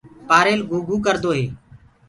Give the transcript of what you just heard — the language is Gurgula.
پآريل گھوگھو ڪردو هي۔